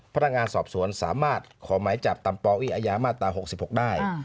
พระร่างงานสอบสวนสามารถขอหมายจับตามปออมาตรา๖๖ได้